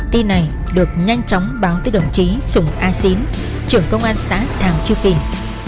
tin này được nhanh chóng báo tới đồng chí sùng ai xín trưởng công an xã thàng trương phiền